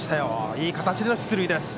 いい形での出塁です。